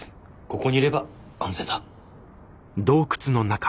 ここにいれば安全だ。